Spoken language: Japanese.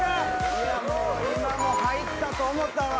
もう今の入ったと思ったわ。